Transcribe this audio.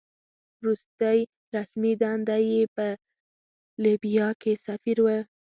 وروستۍ رسمي دنده یې په لیبیا کې سفیر وه.